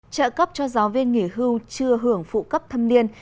trợ cấp cho giáo viên nghỉ hưu chưa hưởng phụ cấp thâm niên